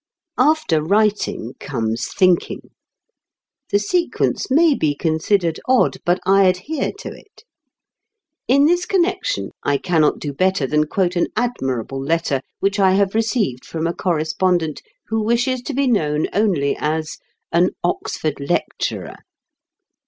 After writing comes thinking. (The sequence may be considered odd, but I adhere to it.) In this connexion I cannot do better than quote an admirable letter which I have received from a correspondent who wishes to be known only as "An Oxford Lecturer."